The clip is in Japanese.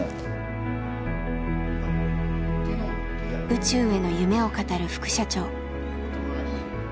宇宙への夢を語る副社長。